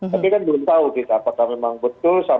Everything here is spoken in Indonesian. tapi kan belum tahu kita apakah memang betul